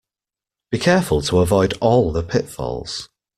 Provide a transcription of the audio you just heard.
Be careful to avoid all the pitfalls.